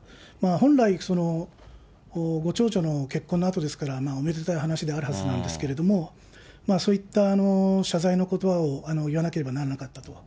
本来、ご長女の結婚なのですから、おめでたい話であるはずなんですけれども、そういった謝罪のことばを言わなければならなかったと。